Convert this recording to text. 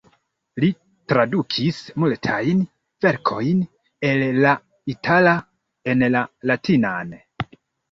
Li tradukis multajn verkojn el la itala en la latinan.